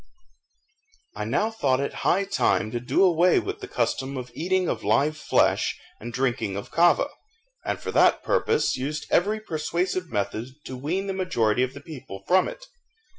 I now thought it high time to do away the custom of eating of live flesh and drinking of kava, and for that purpose used every persuasive method to wean the majority of the people from it.